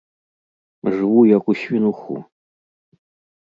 Жыву, як у свінуху.